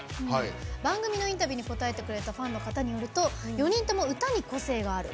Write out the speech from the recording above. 番組のインタビューに答えてくれたファンの方によると４人とも歌に個性がある。